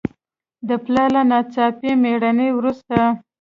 د پلار له ناڅاپي مړینې وروسته.